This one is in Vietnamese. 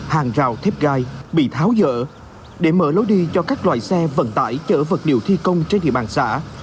hàng rào thép gai bị tháo dỡ để mở lối đi cho các loại xe vận tải chở vật liệu thi công trên địa bàn xã